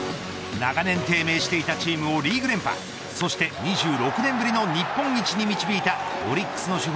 長年低迷していたチームをリーグ連覇そして２６年ぶりの日本一に導いたオリックスの主砲